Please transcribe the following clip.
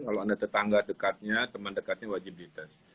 kalau anda tetangga dekatnya teman dekatnya wajib dites